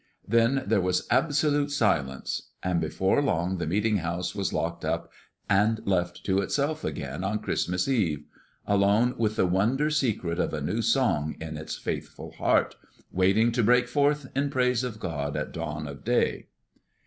Then there was absolute silence; and before long the meeting house was locked up and left to itself again on Christmas Eve alone, with the wonder secret of a new song in its faithful heart, waiting to break forth in praise of God at dawn of day.